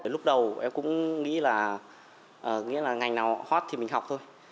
lúc đầu em cũng nghĩ là ngành nào hot thì mình học